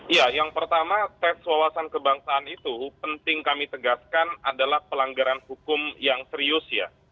ya yang pertama tes wawasan kebangsaan itu penting kami tegaskan adalah pelanggaran hukum yang serius ya